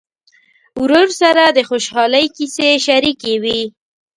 ورور سره د خوشحالۍ کیسې شريکې وي.